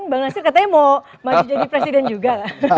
bang nasir katanya mau maju jadi presiden juga